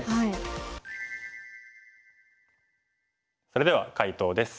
それでは解答です。